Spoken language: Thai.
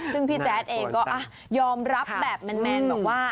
ซึ่งพี่แจ๊ดเองก็ยอมรับแบบแมนบอกว่า